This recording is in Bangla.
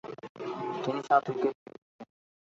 তিনি সাত উইকেট পেয়েছিলেন।